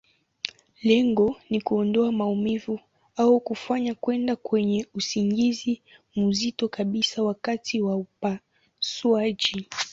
Lengo ni kuondoa maumivu, au kufanya kwenda kwenye usingizi mzito kabisa wakati wa upasuaji.